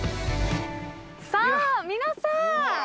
さあ皆さん